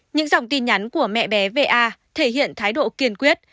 những dòng tin nhắn của mẹ bé v a thể hiện thái độ kiên quyết